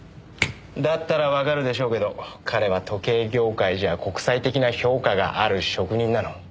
だったらわかるでしょうけど彼は時計業界じゃ国際的な評価がある職人なの。